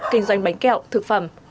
kinh doanh bánh kẹo thực phẩm